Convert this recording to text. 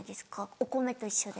お米と一緒で。